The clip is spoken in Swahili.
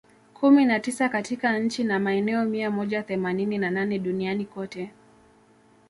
kumi na tisa katika nchi na maeneo mia moja themanini na nane duniani kote